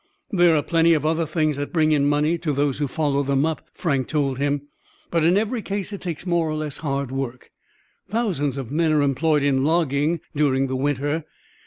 "There are plenty of other things that bring in money to those who follow them up," Frank told him; "but in every case it takes more or less hard work. Thousands of men are employed in logging during the winter.